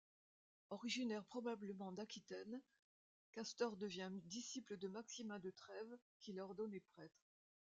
Originaire probablement d'Aquitaine, Castor devient disciple de Maximin de Trèves qui l'a ordonné prêtre.